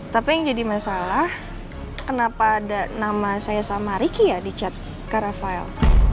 tapi yang jadi masalah kenapa ada nama saya sama ricky ya dicet ke rafael